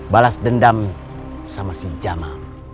balas dendam sama si jama